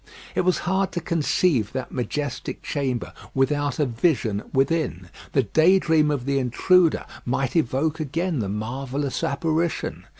It was hard to conceive that majestic chamber without a vision within. The day dream of the intruder might evoke again the marvellous apparition.